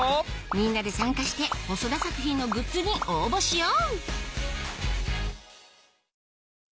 みんなで参加して細田作品のグッズに応募しよう！